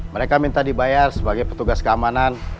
mereka minta dibayar sebagai petugas keamanan